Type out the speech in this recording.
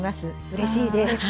うれしいです。